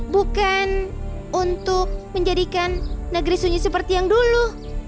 bukan untuk menjadikan negeri sunyi seperti yang dulu